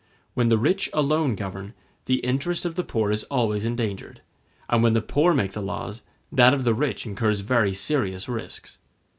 When the rich alone govern, the interest of the poor is always endangered; and when the poor make the laws, that of the rich incurs very serious risks.